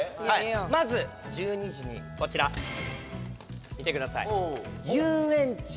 まず１２時にこちら見てください。